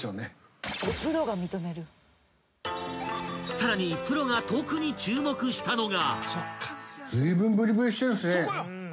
［さらにプロが特に注目したのが］